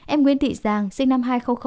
em nguyễn thị giang sinh năm hai nghìn bảy